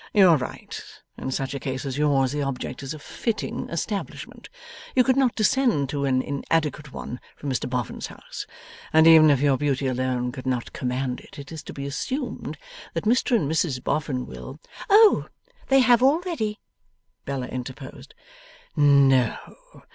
you are right. In such a case as yours, the object is a fitting establishment. You could not descend to an inadequate one from Mr Boffin's house, and even if your beauty alone could not command it, it is to be assumed that Mr and Mrs Boffin will ' 'Oh! they have already,' Bella interposed. 'No!